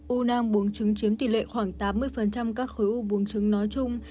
u nang buông trứng chiếm tỷ lệ khoảng tám mươi các khối u buông trứng nói chung